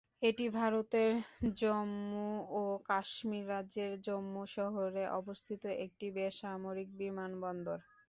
এটি ভারতের জম্মু ও কাশ্মীর রাজ্যের জম্মু শহরে অবস্থিত একটি বেসামরিক বিমানবন্দর।